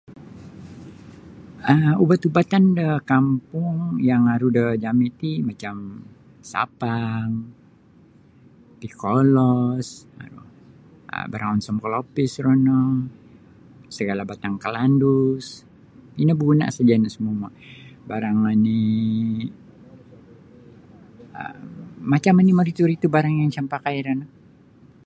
um ubat-ubatan da kampung yang aru da jami ti macam sapang, pikolos, barang onsom kolopis rumonyo, segala batang kalandus, ino beguna seja da semua-mua. Barang manii um macam oni maritu-ritu barang yang isa mapakai iro ino.